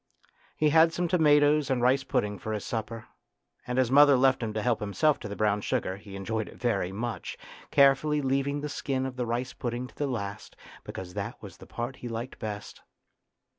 He had some tomatoes and rice pudding for his supper, and as mother left him to help himself to brown sugar he enjoyed it very much, carefully leaving the skin of the rice pudding to the last, because that was the part he liked best.